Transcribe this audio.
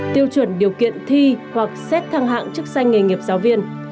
tiêu chuẩn điều kiện thi hoặc xét thăng hạng chức danh nghề nghiệp giáo viên